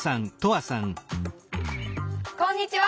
こんにちは。